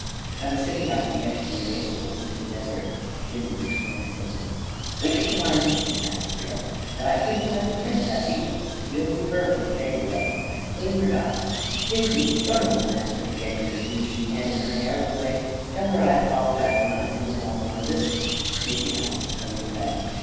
" I was sitting out at the edge of the oasis look ing at the desert," Jimmy explained quickly. " Which reminds me," added Creel, " that I couldn't find the Princess, either — and we'll need her for the fade away. I'd clean forgotten it. Digby, run over and ask her to get here as soon as she can — in her harem rig. Tell her I apologize for not giving her longer notice." Digby nodded and hurried away.